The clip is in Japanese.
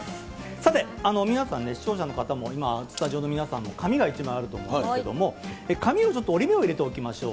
さて、皆さんね、視聴者の方も今、スタジオの皆さんも、紙が１枚あると思うんですけれども、紙にちょっと折り目を入れておきましょう。